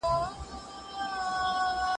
که ښوونکی لارښود وي، زده کوونکی نه سرګردانه کېږي.